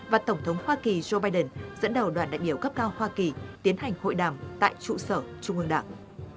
và tổng thống hoa kỳ joe biden dẫn đầu đoàn đại biểu cấp cao hoa kỳ tiến hành hội đàm tại trụ sở trung ương đảng